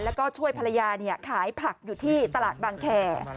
แล้วก็ช่วยภรรยาขายผักอยู่ที่ตลาดบางแคร์